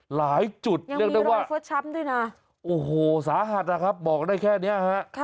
หลายจุดเรียกได้ว่าโอ้โหสาหัสนะครับบอกได้แค่เนี้ยครับ